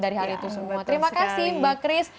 dari hari itu semua terima kasih mbak chris